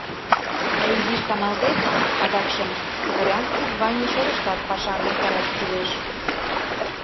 Тый изиш каналтет, адакшым, дворянский званий шотыштат пашам виктараш кӱлеш.